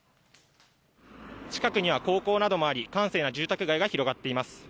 近くには高校などもあり、閑静な住宅街が広がっています。